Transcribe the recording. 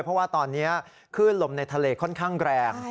เพราะว่าตอนนี้คลื่นลมในทะเลค่อนข้างแรง